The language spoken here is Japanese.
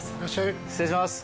失礼します。